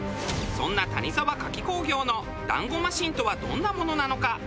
そんな谷沢菓機工業の団子マシンとはどんなものなのか？